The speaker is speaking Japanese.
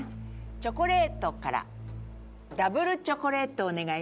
チョコレートからダブルチョコレートお願いします。